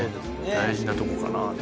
大事なとこかなって。